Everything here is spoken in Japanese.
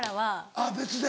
あぁ別で。